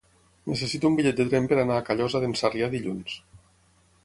Necessito un bitllet de tren per anar a Callosa d'en Sarrià dilluns.